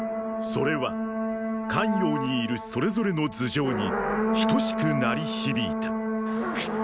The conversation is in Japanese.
それは咸陽にいるそれぞれの頭上に等しく鳴りひびいた。っ！